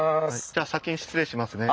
じゃあ先に失礼しますね。